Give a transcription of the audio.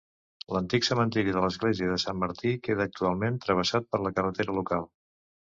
L'antic cementiri de l'església de Sant Martí queda actualment travessat per la carretera local.